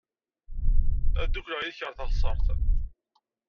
Ad ddukleɣ yid-k ɣer teɣsert.